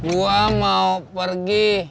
gua mau pergi